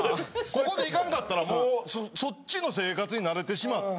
ここで行かんかったらもうそっちの生活に慣れてしまって。